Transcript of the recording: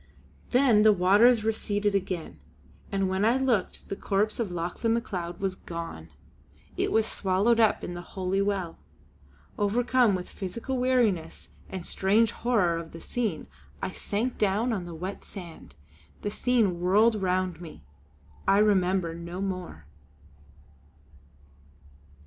Then the waters receded again, and when I looked, the corpse of Lauchlane Macleod was gone. It was swallowed up in the Holy Well. Overcome with physical weariness and strange horror of the scene I sank down on the wet sand. The scene whirled round me.... I remember no more.